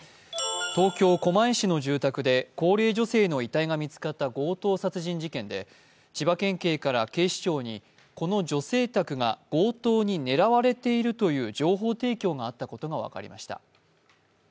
東京・狛江市の住宅で高齢女性の遺体が見つかった強盗殺人事件で千葉県警から警視庁にこの女性宅が強盗に狙われているという情報提供があったことが分かりました。